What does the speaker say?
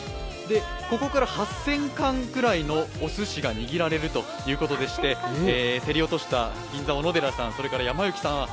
ここから８０００貫くらいのおすしが握られるということで競り落とした銀座おのでらさん、それからやま幸さん